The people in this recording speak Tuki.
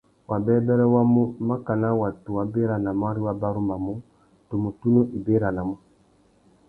Wabêbêrê wa mu, makana watu wa béranamú ari wa barumanú, tumu tunu i béranamú.